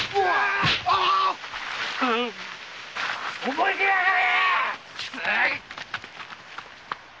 覚えてやがれ！